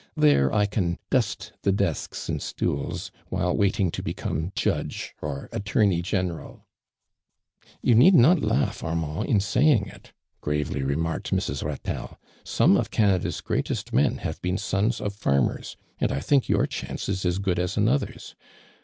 There, I can dust the defekw and stools, whilst wait ing to become jud^e, or attdrney gene rali" " You need not laugh, Arm^irid, in sayiiig it !" gravely remarked Mrs. Ratelle. " Some of Canada's greatest m*n have been sons of farmers, and I think your chanee is as good as another's.